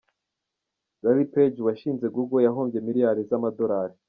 Larry Page, washinze Google: yahombye miliyari z’amadolari.